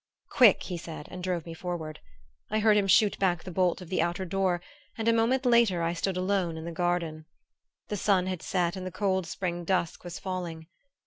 "Quick!" he said and drove me forward. I heard him shoot back the bolt of the outer door and a moment later I stood alone in the garden. The sun had set and the cold spring dusk was falling.